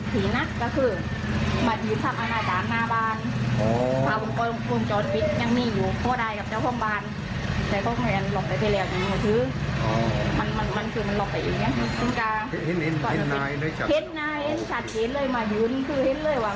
ตะวัวไม่เปิดหมานะ